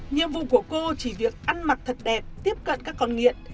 nhiệm vụ của cô chỉ việc ăn mặc thật đẹp tiếp cận các con nghiện